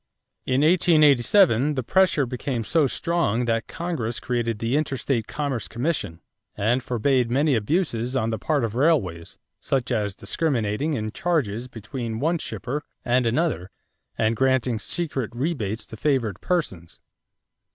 In 1887, the pressure became so strong that Congress created the interstate commerce commission and forbade many abuses on the part of railways; such as discriminating in charges between one shipper and another and granting secret rebates to favored persons.